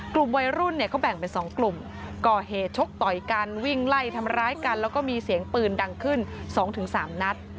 กลุ่มวัยรุ่นเนี่ยเขาแบ่งเป็น๒กลุ่มก่อเหตุชกต่อยกันวิ่งไล่ทำร้ายกันแล้วก็มีเสียงปืนดังขึ้น๒๓นัด